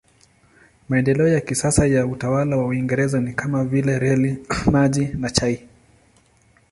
Maendeleo ya kisasa ya utawala wa Uingereza ni kama vile reli, maji na chai.